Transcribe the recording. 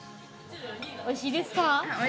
おいしいです。